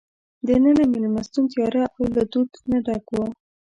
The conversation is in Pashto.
دننه مېلمستون تیاره او له دود نه ډک وو.